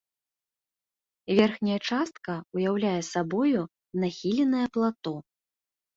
Верхняя частка ўяўляе сабою нахіленае плато.